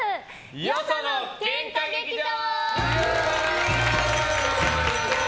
よその喧嘩劇場！